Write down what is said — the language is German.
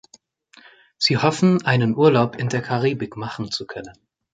Sie hoffen, einen Urlaub in der Karibik machen zu können.